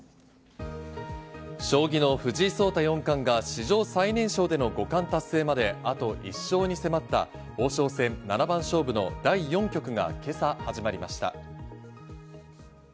将棋の藤井聡太四冠が史上最年少での五冠達成まであと１勝に迫った王将戦七番勝負の第４局が今朝、始まりました。